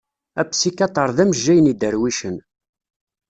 Apsikyatr d amejjay n idarwicen.